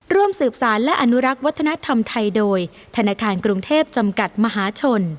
ร่วมสืบสารและอนุรักษ์วัฒนธรรมไทยโดยธนาคารกรุงเทพจำกัดมหาชน